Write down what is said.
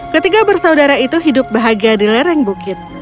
ketiga bersaudara itu hidup bahagia di lereng bukit